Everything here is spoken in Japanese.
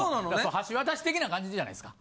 橋渡し的な感じじゃないですか。